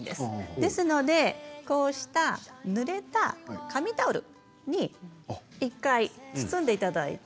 ですからぬれた紙タオルに１回包んでいただいて。